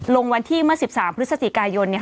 ลงวันที่เมื่อ๑๓พฤศจิกายน